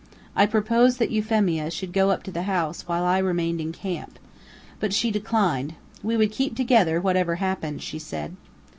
I proposed that Euphemia should go up to the house, while I remained in camp. But she declined. We would keep together, whatever happened, she said.